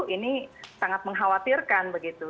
ini sangat mengkhawatirkan begitu